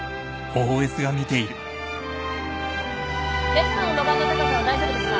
レフトの路盤の高さは大丈夫でした。